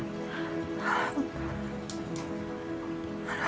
apa aku seneng banget pa